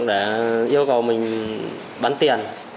để yêu cầu mình bán tiền